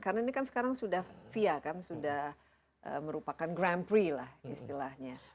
karena ini kan sekarang sudah via kan sudah merupakan grand prix lah istilahnya